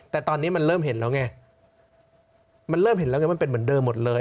แต่ตอนนี้มันเริ่มเห็นแล้วไงมันเริ่มเห็นแล้วไงมันเป็นเหมือนเดิมหมดเลย